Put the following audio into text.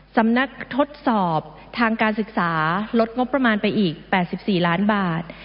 ทดสอบทางการศึกษาลดงบประมาณไปอีก๘๔ล้านบาท